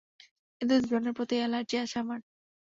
এদের দুজনের প্রতি এলার্জি আছে আমার।